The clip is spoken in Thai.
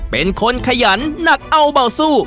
เป็นคนขยันหนักเอาเบาสู้